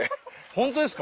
ホントですか？